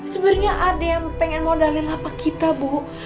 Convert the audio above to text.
sebenernya ada yang pengen berpikir bu